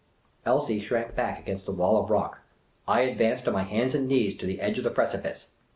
Elsie shrank back against the wall of rock. I advanced on my hands and knees to the edge of the precipice.